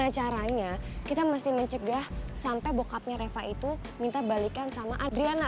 karena caranya kita mesti mencegah sampai bokapnya reva itu minta balikan sama adriana